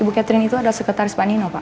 ibu catherine itu adalah sekretaris pak nino pak